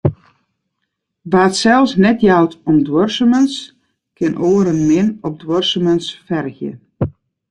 Wa't sels net jout om duorsumens, kin oaren min op duorsumens fergje.